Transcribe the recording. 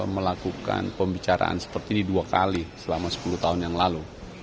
melakukan pembicaraan seperti ini dua kali selama sepuluh tahun yang lalu